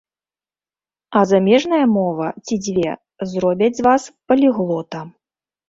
А замежная мова ці дзве зробяць з вас паліглота.